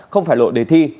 không phải lộ đề thi